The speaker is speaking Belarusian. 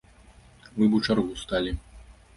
Мы б у чаргу сталі.